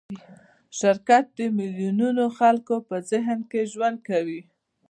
شرکت د میلیونونو خلکو په ذهن کې ژوند کوي.